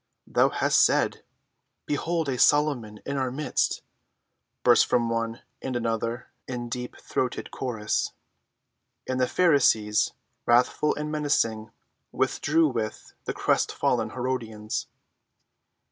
"Thou hast said!" "Behold a Solomon in our midst!" burst from one and another in deep‐throated chorus. And the Pharisees, wrathful and menacing, withdrew with the crestfallen Herodians.